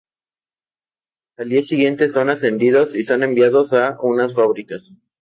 Al Día Siguiente son ascendidos y son enviados a unas Fábricas.